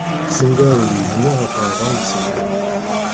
Sendiḍelli gneɣ ɣef ṛṛabɛa n tṣebḥit.